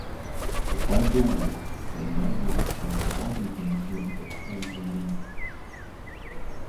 To fight the war, they migrated from the Balkan peninsula into Asia Minor.